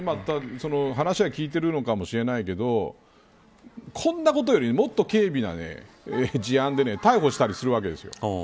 話は聞いてるのかもしれないけどこんなことよりもっと軽微な事案で逮捕したりするわけですよ。